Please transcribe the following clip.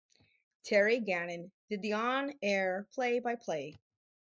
Terry Gannon did the on-air play-by-play.